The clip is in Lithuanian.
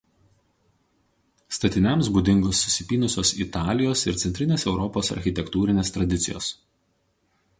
Statiniams būdingos susipynusios Italijos ir Centrinės Europos architektūrinės tradicijos.